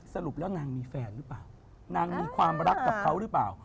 สรุปแล้วนางมีแฟนหรือเปล่านางมีความรักกับเขาหรือเปล่า